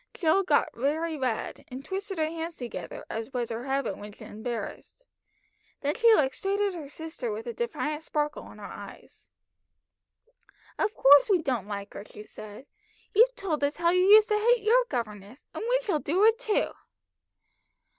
Jill got very red, and twisted her hands together, as was her habit when embarrassed. Then she looked straight at her sister with a defiant sparkle in her eyes. "Of course we don't like her," she said. "You've told us how you used to hate your governess, and we shall do it too."